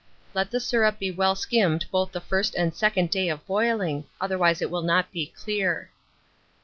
Let the syrup be well skimmed both the first and second day of boiling, otherwise it will not be clear.